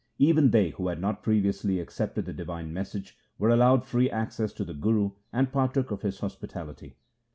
Even they who had not previously accepted the divine message, were allowed free access to the Guru, and partook of his hospitality.